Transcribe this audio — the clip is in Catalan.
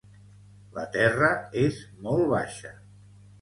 La terra és molt baixa.